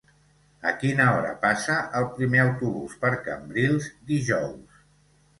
A quina hora passa el primer autobús per Cambrils dijous?